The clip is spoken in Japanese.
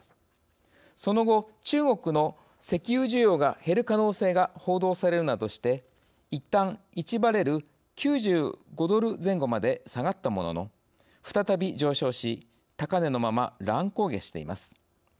その後、中国の石油需要が減る可能性が報道されるなどしていったん１バレル９５ドル前後まで下がったものの、再び上昇し高値のまま乱高下しています。